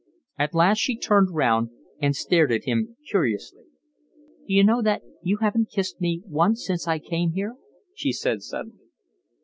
At last she turned round and stared at him curiously. "D'you know that you haven't kissed me once since I came here?" she said suddenly.